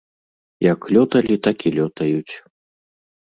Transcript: Як лёталі, так і лётаюць.